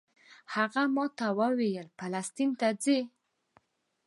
هغه ته مې ویل فلسطین ته ځو.